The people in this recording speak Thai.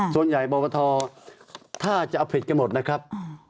ส่วนใหญ่บรบทถ้าจะเอาผิดกันหมดนะครับ